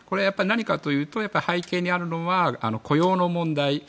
何かというと、背景にあるのは雇用の問題